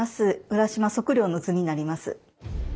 「浦島測量之図」になります。